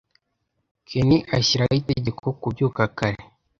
Ken ashyiraho itegeko kubyuka kare.